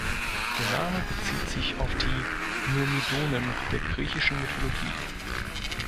Der Name bezieht sich auf die Myrmidonen der griechischen Mythologie.